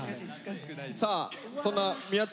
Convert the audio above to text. さあそんな宮近